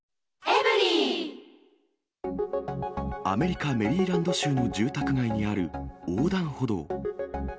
アメリカ・メリーランド州の住宅街にある横断歩道。